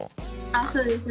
あそうです。